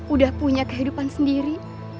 udah punya kehidupan sendiri